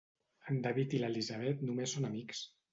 En David i l'Elisabet només són amics.